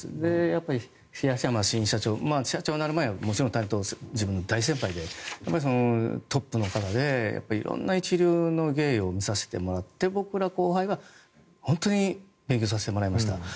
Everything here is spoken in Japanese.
やっぱり東山新社長社長になる前はもちろん、自分の大先輩でやはりトップの方で色んな一流の芸を見させてもらって僕ら後輩は本当に勉強させてもらいました。